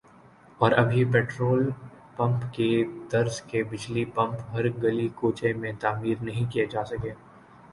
اور ابھی petrol pump کی طرز کے بجلی پمپ ہر گلی کوچے میں تعمیر نہیں کئے جاسکے